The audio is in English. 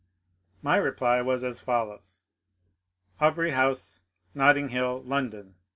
My reply was as follows: — AUBRET HOUSK, NOTTDfO HiLL, LONDOK, W.